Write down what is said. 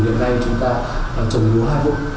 hiện nay chúng ta trồng lúa hai vùng